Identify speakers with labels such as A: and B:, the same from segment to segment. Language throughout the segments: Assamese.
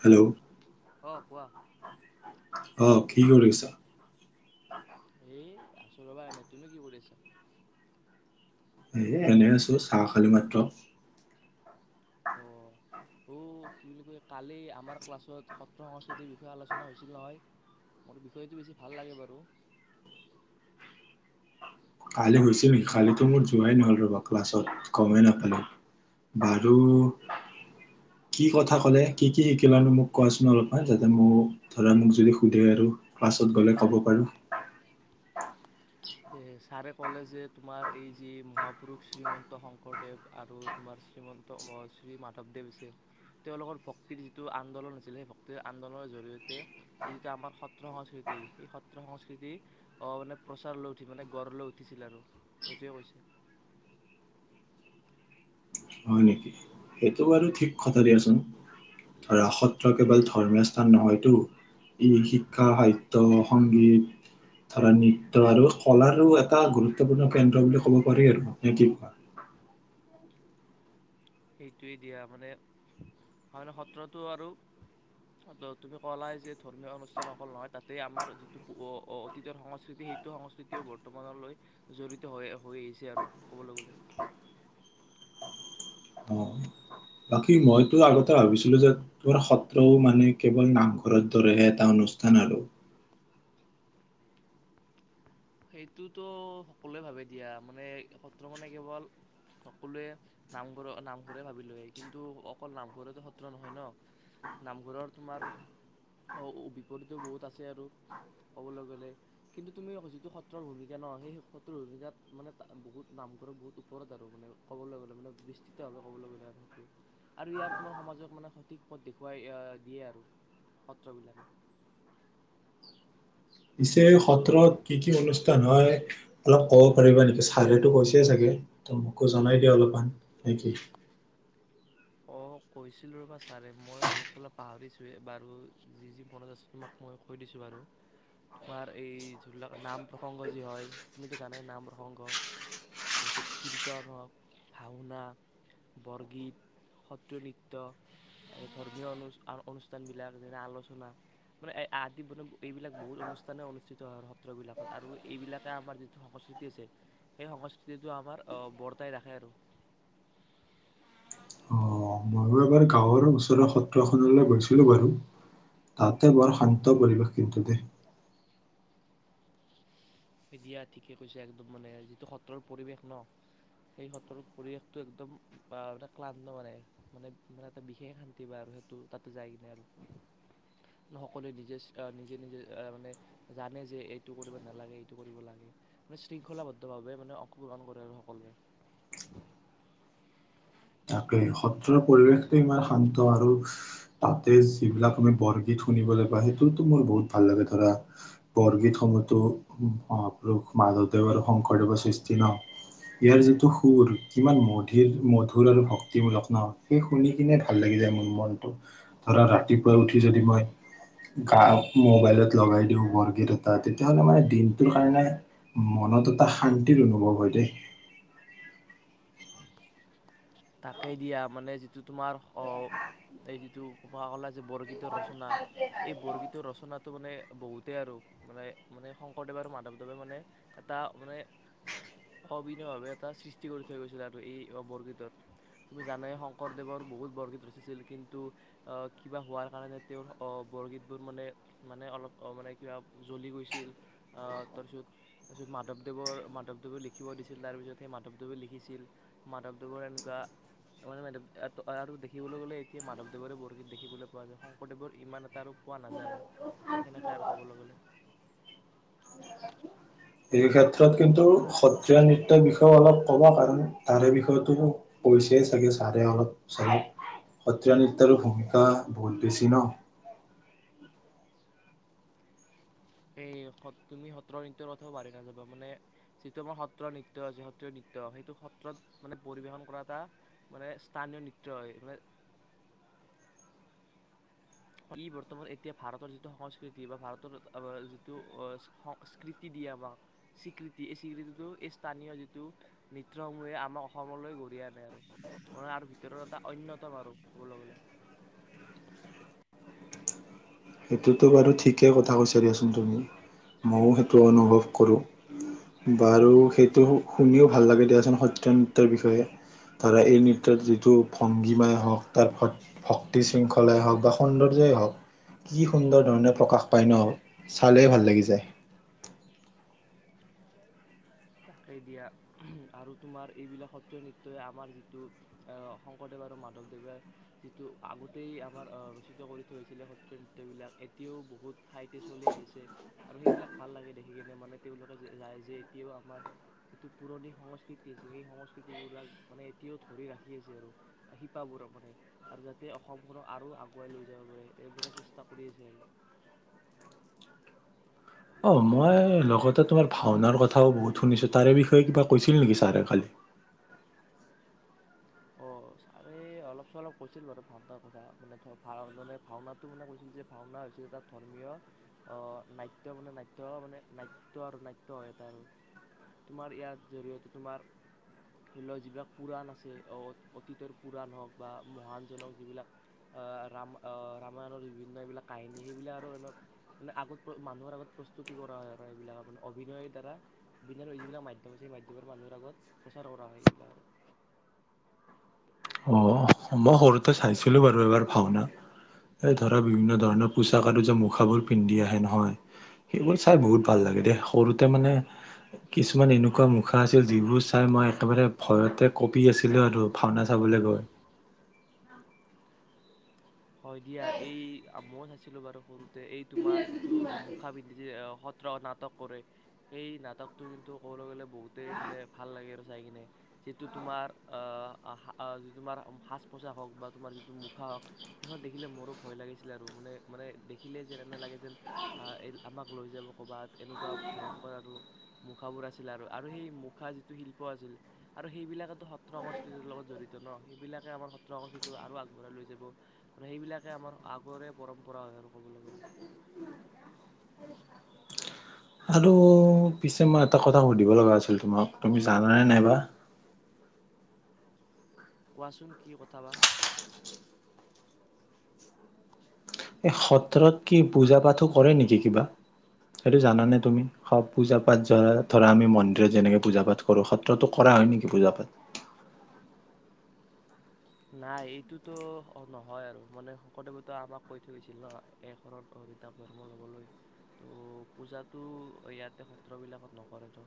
A: হেল্ল'
B: অঁ কোৱা?
A: অ কি কৰিছা?
B: এ আচল ৰবা এনে তুমি কি কৰিছা?
A: এ এনে আছো চাহ খালী মাত্ৰ।
B: অ অ' কি বুলি কয় কালি আমাৰ ক্লাছত সত্ৰ সংস্কৃতিৰ বিষয়ে আলোচনা হৈছিল নহয় মোৰ বিষয়টো বেছি ভাল লাগে বাৰু
A: কালি হৈছিল বিষয়তো মোৰ যোৱাই নহ'ল ৰ ববু ক্লাছত গমেই নাপালে বাৰু কি কথা ক'লে কি কি শিকিলানো মোক কোৱাচোন অলপমান যাতে মোক ধৰা মোক যদি সোধে আৰু ক্লাছত গ'লে ক'ব পাৰো।
B: সেয়ে ছাৰে ক'লে যে তোমাৰ এই যি মহাপুৰুষ শ্ৰীমন্ত শংকৰদেৱ আৰু তোমাৰ শ্ৰীমন্ত শ্ৰী মাধৱদেৱ আছে তেওঁলোকৰ ভক্তিৰ যিটো আন্দোলন আছিল সেই ভক্তিৰ আন্দোলনৰ জৰিয়তে এই যিটো আমাৰ সত্ৰ সংস্কৃতি সেই সত্ৰ সংস্কৃতি মানে প্ৰচাৰ লৈ উঠি মানে গঢ় লৈ উঠিছিল আৰু সেইটোৱে কৈছে। উম।
A: হয় নেকি? সেইটো বাৰু ঠিক কথা দিয়াচোন। আৰু আসত কেৱল ধৰ্মীয় স্থান নহয়তটো ই শিক্ষা সাহিত্য় সংগীত ধৰা নৃত্য় আৰু কলাৰো এটা গুৰুত্বপূৰ্ণ কেন্দ্ৰ বুলি ক'ব পাৰি আৰু নে কি কোৱা?
B: সেইটোোৱে দিয়া মানে সত্ৰতটো আৰু তুমি কলা যে ধৰ্মীয় অনুষ্ঠান অকল নহয় তাতে আমাৰ যিটো অতীতৰ সংস্কৃতি সেইটো সংস্কৃতিও বৰ্তমানলৈ জড়িত হৈ আহিছে আৰু কবলৈ গলে
A: অ বাকী মইতো আগতে ভাবিছিলো যে তোমাৰ সত্ৰও মানে কেৱল নামঘৰ দৰেহে এটা অনুষ্ঠান আৰু
B: সেইটোতো সকলোৱে ভাবে দিয়া মানে সত্ৰ মানে কেৱল সকলোৱে নামঘৰ নামঘৰে ভাবি লয় কিন্তু অকল নামঘৰে সত্ৰ নহয় ন নামঘৰৰ তোমাৰ অ বিপৰীত বহুত আছে আৰু ক'বলৈ গলে কিন্তু তুমি যিটো সত্ৰৰ ভূমিকা ন সেই সত্ৰৰ ভূমিকাত মানে বহুত নামঘ বহুত ওপৰত আৰু মানে ক'বলৈ গলে মানে বিস্তৃতভাৱে ক'বলৈ গলে সে আৰু ইয়াৰ তোমাৰ সমাজক মানে সঠিক পথ দেখুৱাই দিয়ে আৰু সত্ৰবিলাকে
A: পিছে সত্ৰত কি কি অনুষ্ঠান হয় অলপ ক'ব পাৰিবা নেকি ছালেতো কৈছে চাগে ত মোকো জনাই দিয়া অলপমান নেকি?
B: অঁ কৈছিলোঁ ৰ'বা ছাৰে মই অলপ চলপ পাহৰিছোঁেই বাৰু যি যি মনত আছে তোমাক মই কৈ দিছোঁ বাৰু তোমাৰ এই ধৰি লওক নাম প্ৰসংগ যি হয় তুমিতো জানাই নাম প্ৰসংগ তাৰপিছত কীৰ্তন হওক ভাওনা বৰগীত সত্ৰীয় নৃত্য ধৰ্মীয় অনু-অনুষ্ঠানবিলাক যে, আলোচনা মানে আদি মানে এইবিলাক বহুত অনুষ্ঠানেই-অনুষ্ঠিত হয়। সত্ৰবিলাকত আৰু এইবিলাকে আমাৰ যিটো সংস্কৃতি আছে সেই সংস্কৃতিটো আমাৰ বৰ্তাই ৰাখে আৰু।
A: অ ময়ো এবাৰ গাঁৱৰ ওচৰৰ সত্ৰখনলৈ গৈছিলোঁ বাৰু, তাতে বৰ শান্তি পৰিৱেশ কিন্তু দে।
B: এদিয়া ঠিকে কৈছে একদম মানে যিটো সত্ৰৰ পৰিৱেশ ন, সেই সত্ৰৰ পৰিৱেশটো একদম আহ ক্লান্ত মানে-মানে, মানে এটা বিশেষ শান্তি বা আৰু সেইটো তা যাই কিনে আৰু সকলোৱে নিজে-নিজে-নিজে, মানে জানে যে এইটো কৰিব নালাগে। এই লাগে মানে শৃংখলাবদ্ধ ভাৱে মানে অংশগ্ৰহণ কৰে আৰু সকলোৱে।
A: সত্ৰ। সত্ৰৰ পৰিৱেশটো ইমান শান্ত আৰু। তাতে যি বিলাক আমি বৰগীত শুনবলৈ পাও সেইটোতো মোৰ বহুত ভাল লাগে। ধৰা বৰগীত সমূহতো মহাপুৰুষ মাধৱদেৱ আৰু শংকৰদেৱৰ সৃষ্টি ন ইয়াৰ যিটো সুৰ কিমান মধিৰ মধুৰ আৰু ভ মূল্ ন সেই শুনি কিনে ভাল লাগি যায় মোৰ মনটো ধৰা ৰাতিপুৱা উঠি যদি মই গা মোবাইলত লগাই দিওঁ বৰগীত এটা তেতিয়াহ'লে মানে দিনটোৰ কাৰণে মনত এটা শান্তিৰ অনুভৱ হয় দেই।
B: তাকে দিয়া মানে যিটো তোমাৰ অ এই যিটো ক। যে বৰগীতৰ ৰচনা এই বৰগীতৰ ৰচনাটো মানে বহুত তাকে আৰু মানে মানে শংকৰদেৱে আৰু মাধৱদেৱে মানে এটা মানে অবিনভাৱে এটা সৃষ্টি কৰি থৈ গৈছিলে আৰু এই বৰগীতৰ। তুমি জানে শংকৰদেৱৰ বহুত বৰগীত ৰচিছিল কিন্তু আহ কিবা হোৱাৰ কাৰণে তেওঁৰ আহ বৰগীতবোৰ মানে মানে অলপ মানে কিবা জ্বলি গৈছিল আহ তাৰ পিছত তাৰিছত মাধৱদেৱৰ মাধৱদেৱে লিখিব দিছিল তাৰ পিছত সেই মাধৱদেৱে লিখিছিল মাধৱদেৱৰন ৱ আৰু দেখিবলৈ গলে এতিয়া মাধৱদেৱৰে বৰগীত দেখিবলৈ পোৱা যায় শংকৰদেৱৰ ইমান এটা আৰু পোৱা নাযায় আৰু সেনেকে আৰু কবলৈ গলে।
A: এই ক্ষেত্ৰত কিন্তু সত্ৰীয়া নৃত্যৰ বিষয়ে অলপ ক'বা কাৰণ তাৰে বিষয়েতো কৈছে চাগে ছাৰে অলপ চাৰক সত্ৰীয়া নৃত্যৰো ভূমিকা বহুত বেছি ন।
B: এই তুমি সত্ৰৰ নৃত্যয়ৰ কথাও বাঢ়ি নাযাবা মানে যিটো আমাৰ সত্ৰৰ নৃত্য যি সত্ৰীয়া নৃত্য সেইটো সত্ৰত মানে পৰিবেশন কৰা এটা মানে স্থানীয় নৃত্য হয় মানে। ই বৰ্তমান এতিয়া ভাৰতৰ যিটো সংস্কৃতি, বা ভাৰতৰ যিটো সংস্কৃতি দিয়ে আমাক স্বীকৃতি, এই স্বীকৃতিটো এই স্থানীয় যিটো নৃত্যসমূহে, আমাক অসমলৈ ঘঢ়িয়াই আনে আৰু মান আৰু ভিতৰত এটা অন্যযতম আৰু ক'বলৈ গ'লে।
A: সেইটোতো বাৰু ঠিকেই কথা কৈছা দিয়াচোন তুমি ময়ওো সেইটো অনুভৱ কৰোঁ বাৰু সেইটো শুনিও ভাল লাগে দিয়াচোন সত্ৰীয়া নৃত্যৰ বিষয়ে ধাৰা এই নৃত্যত যিটো ভংগীমাই হওঁক তাৰ ভ ভক্তি শৃংখলাই হওক বা সৌন্দৰ্যই হওক। কি সুন্দৰ ধৰণে প্ৰকাশ পায় ন চালেই ভাল লাগি যায়।
B: তাকেই দিয়া আৰু তোমাৰ এইবিলাক সত্ৰীয়া নৃত্যই আমাৰ যিটো শংকৰদেৱ আৰু মাধৱদেৱে যিটো আগতেই আমাৰ ৰচিত কৰি থৈছিলে সত্ৰীয়া নৃত্যবিলাক এতিয়াও বহুত ঠাইতে চলি আহিছে আৰু সেইবিলাক ভাল লাগে দেখি কিনে মানে তেওঁলোকে যে যায়। যে এতিয়াও আমাৰ যিটো পুৰণি সংস্কৃতি আছে সেই সংস্কৃতিবলাক মানে এতিয়াও ধৰি ৰাখি আছে আৰু শিপাবোৰ মানে আৰু যাতে অসমখনক আৰু আগুৱাই লৈ যাব বাবে চেষ্টা কৰি আছে আৰু
A: অ মই লগতে তোমাৰ ভাওনাৰ, কথাও বহুত শুনিছো তাৰে বিষয়ে কিবা কৈছিল নেকি। ছাৰে কালি
B: অ ছাৰে অলপ চলপ কৈছিল বাৰু ভাওনাৰ, কথা মানে ভা মানে ভাওনাটো মানে কৈছিল যে ভাওনা হৈছে এটা ধৰ্মীয় অ নাট্য মানে নাট্য, মানে নাট্য আৰু নাট্য হয় এটা আৰু তোমাৰ ইয়াৰ জৰিয়তে তোমাৰ ধৰি লও যিবিলাক পুৰাণ, আছে। অতীতৰ পুৰাণ হওক বা মহানজনক যিবিলাক ৰাম আহ ৰামায়ণৰ বিভিন্ন এইবিলাক কাহিনী সেইবিলাক আৰু মানে আগত মানুহৰ আগত প্ৰস্তুতি কৰা হয় আৰু এইবিলাক মানে অভিনয়ৰ দ্বাৰা বিভিন্ যিবিলাক মাধ্যম আছে সেই মাধ্যমৰে মানুহৰ আগত প্ৰচাৰ কৰা হয় এইবিলাক।
A: অ মই সৰুতে চাইছিলো বাৰু এবাৰ ভাওনা এই ধৰা বিভিন্ন ধৰণৰ পোচাক আৰু যে মুখাবোৰ পিন্ধি আহে নহয় সেইবোৰ চাই বহুত ভাল লাগে দে সৰুতে মানে কিছুমান এনেকুৱা মুখা আছিল যিবোৰ চাই মই একেবাৰে ভয়তে কঁপি আছিলো আৰু ভাওনা চাবলৈ গৈ
B: হয় দিয়া এই ময় চাইছিলো বাৰু সৰুতে এই তোমাৰ যিটো মুখা পিন্ধি সত্ৰ নাটক কৰে সেই নাটকটো কিন্তু কবলৈ গলে বহুতেই মানে ভাল লাগে আৰু চাই কিনে যিটো তোমাৰ আহি তোমাৰ সাজ পোছাক হওক বা তোমাৰ যিটো মুখা হওক। সেইখন দেখিলে মোৰো ভয় লাগিছিল আৰু মানে মানে দেখিলেই যেন এনে লাগে যেন এই আমাক লৈ যাব ক'ৰবাত এনেকুৱা ভয়ংক, ৰ আৰু মুখাবোৰ আছিলে আৰু আৰু সেই মুখা যিটো শিল্প আছিল আৰু সেইবিলাকেতো সত্ৰ, সংস্কৃতিৰ, লগত জড়িত ন সেইবিলাকে আমাৰ সত্ৰ সংস্কৃতিটো আৰু আগবঢ়াই লৈ যাব। আৰু সেইবিলাকে আমাৰ আগৰে পৰম্পৰা হয় আৰু ক'বলৈ গ'লে।
A: আৰু
B: উম
A: পিছে মই এটা কথা সুধিব লগা আছিল তোমাক তুমি জান নে নাইবা
B: কোৱাচোন কি কথাবা?
A: এই সত্ৰত কি পূজা পাঠো কৰে নেকি কিবা, সেইটো জানানে তুমি স পূজা পাঠ, ধৰা-ধৰা, আমি মন্দিৰত যেনেকে পূজা পাঠ কৰো, সত্ৰতো কৰা হয় নেকি পূজা পাঠ?
B: নাই এইটোতো নহয় আৰু মানে শংকৰদেৱতো আমাক কৈ থৈছিল ন। এক শৰণ হৰি নাম ধৰ্ম ল'বলৈ ত' পূজাতটো ইয়াতে সত্ৰবিলাকত নকৰে ন,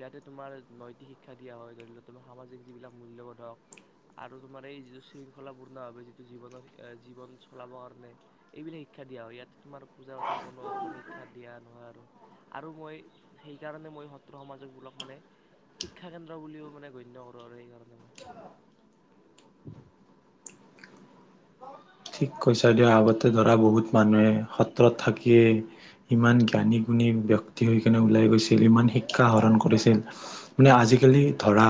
B: ইয়াতে তোমাৰ নৈতিক শিক্ষা দিয়া হয় ধৰি লও, তুমাৰ সামাজিক যিবিলাক মূল্যবোধক আৰু তোমাৰ এই যিটো শৃংখলাপূৰ্ণভাৱে যিটো জীৱনৰ, জীৱন চলাব কাৰণে এইবিলাক শিক্ষা দিয়া হয়। ইয়াত তোমাৰ পূজা পথৰ কোনো মানে শিক্ষা দিয়া নহয় আৰু-আৰু মই সেইকাৰণে মই সত্ৰ সমাজকবলক মানে শিক্ষা কেন্দ্ৰ বুলিও মানে গণ্য কৰোঁ আৰু সেইকাৰণে মই।
A: ঠিক কৈছে। ঢ়ড়দিয় আগতে ধৰা বহুত মানুহে সত্ৰত থাকিয়েই, ইমান জ্ঞানী-গুণী ব্যক্তি হৈ কিনে ওলাই গৈছিল। ইমান শিক্ষা আহৰণ কৰিছিল মানে আজিকালি ধৰা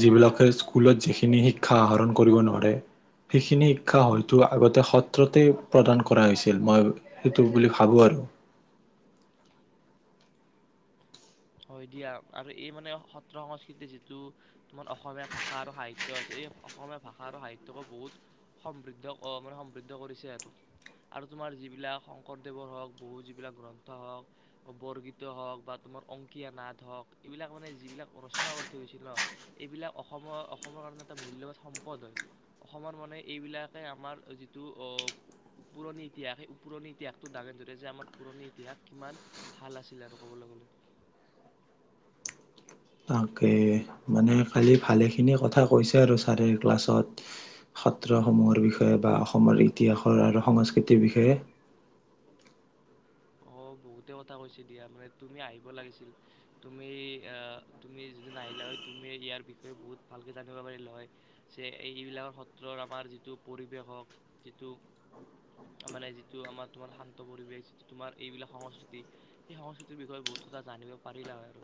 A: যিবিলাকে স্কুলত যিখিনি শিক্ষা আহৰণ কৰিব নোৱাৰে। সেইখিনি শিক্ষা টো আগতে সত্ৰতে প্ৰদান কৰা হৈছিল, মই সেইটো বুলি ভাবো আৰু।
B: হয় দিয়া আৰু এই মানে সত্ৰ সংস্কৃতিৰ যিটো, তোমাৰ অসমীয়া ভাষা আৰু সাহিত্যয় আছে। এই অসমীয়া ভাষা আৰু সাহিত্যয়কো বহুত সমৃদ্ধ মানে, সমৃদ্ধ কৰিছে আৰু-আৰু, তোমাৰ যিবিলাক শংকৰদেৱৰ হওক বহু যিবিলাক গ্ৰন্থ হওক বৰগীত হওঁক বা তোমাৰ, অংকীয়া নাট হওক, এইবিলাক মানে যিবিলাক ৰচনা কৰি থৈ গৈছিল ন, এইবিলাক অসমৰ অসমৰ কাৰণে এটা মূল্যবান সম্পদ হয়। অসমৰ মানে এইবিলাকে আমাৰ যিটো পুৰণি ইতিহাস সেই পুৰণি ইতিহাসটো দাঙে ধৰে যে আমাৰ পুৰণি ইতিহাস কিমান ভাল আছিলে আৰু ক'বলৈ গ'লে।
A: তাকে মানে কালি ভালেখিনি কথা কৈছে আৰু ছাৰে ক্লাছত সত্ৰসমূহৰ বিষয়ে বা অসমৰ ইতিহাসৰ আৰু সংস্কৃতিৰ বিষয়ে।
B: অ' বহুতে কথা কৈছে দিয়া মানে তুমি আহিব লাগিছিল। তুমি আহ তুমি যিদি নাহিলা হয়, তুমি ইয়াৰ বিষয়ে বহুত ভালকে জানিব পাৰিলা হয়। যে এই এইবিলাকৰ সত্ৰৰ আমাৰ যিটো পৰিৱেশ হওক যিটো মানে যিটো, আমাৰ তোমাৰ শান্ত পৰিৱেশ। যিটো, তোমাৰ এইবিলাক সংস্কৃতি সেই সংস্কৃতিৰ বিষয়ে বহুত কথা জানিব পাৰিলা হয় আৰু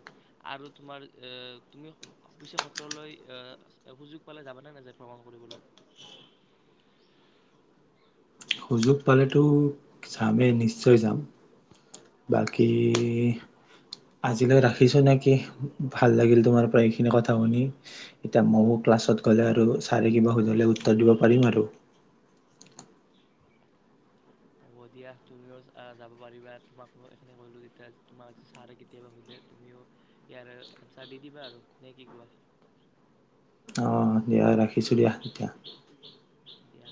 B: আৰু তোমাৰ এ তুমি অ পিছে সত্ৰলৈ আহ' সুযোগ পালে যাবানে নে যে ভ্ৰমণ কৰিবলৈ।
A: সুযোগ পালেতো যামেই নিশ্চয় যাম। বাকী আজিলৈ ৰাখিছোঁ নেকি ভাল লাগিল। তোমাৰ পৰা এইখিনি কথা শুনি এতিয়া ময়ো ক্লাছত গ'লে আৰু ছাৰে কিবা সুধে উত্তৰ দিব পাৰিম আৰু।
B: হ'ব দিয়া, তুমিও যাব পাৰিবা তোমাক ম এইখিনে কলোঁ যেতিয়া তোমাক ছাৰে কেতিয়াবা, সোধে তুমিও ইয়াৰে এনঞ্চাৰ দি দিবা আৰু নে কি কোৱা।
A: অঁ দিয়া ৰাখিছোঁ দিয়া তেতিয়া।
B: দিয়া।